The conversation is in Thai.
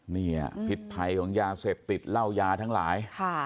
นี่พิษภัยของยาเสพติดเหล้ายาทั้งหลาย